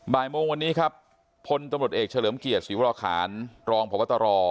บ่ายโมงวันนี้ครับพลตำรวจเอกเฉลิมเกียรติศรีวราคารรองพบตร